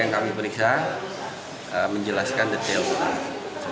ya begitu meriah gitu